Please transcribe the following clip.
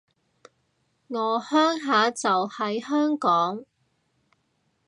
我鄉下就喺香港